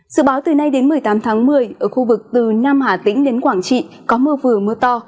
sự báo từ nay đến một mươi tám tháng một mươi ở khu vực từ nam hà tĩnh đến quảng trị có mưa vừa mưa to